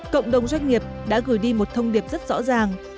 cộng đồng doanh nghiệp đã gửi đi một thông điệp rất rõ ràng